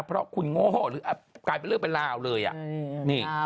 เพราะคุณโง่หรือกลายเป็นเรื่องเป็นราวเลยอ่ะ